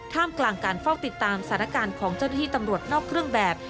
กลางการเฝ้าติดตามสถานการณ์ของเจ้าหน้าที่ตำรวจนอกเครื่องแบบ